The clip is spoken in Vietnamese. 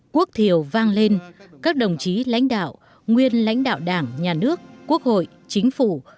quốc thiều vang lên các đồng chí lãnh đạo nguyên lãnh đạo đảng nhà nước quốc hội chính phủ